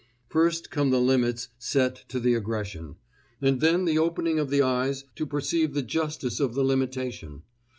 First come the limits set to the aggression, and then the opening of the eyes to perceive the justice of the limitation.